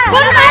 kau oh kau